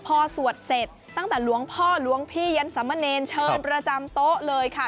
พอสวดเสร็จตั้งแต่หลวงพ่อหลวงพี่ยันสมเนรเชิญประจำโต๊ะเลยค่ะ